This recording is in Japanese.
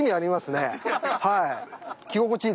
はい。